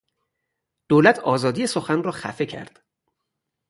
دولت آزادی سخن را خفه کرد.